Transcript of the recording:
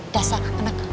dasar anak racikal